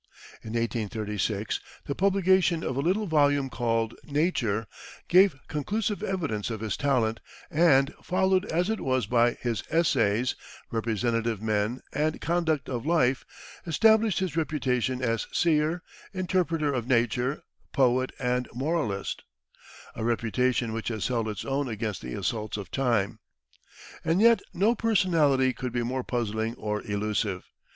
In 1836, the publication of a little volume called "Nature" gave conclusive evidence of his talent, and, followed as it was by his "Essays," "Representative Men," and "Conduct of Life," established his reputation as seer, interpreter of nature, poet and moralist a reputation which has held its own against the assaults of time. And yet no personality could be more puzzling or elusive.